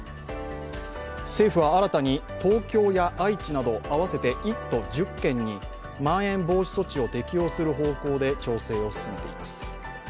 政府は新たに東京や愛知など合わせて１都１０県にまん延防止措置を適用する方向で調整を進めています。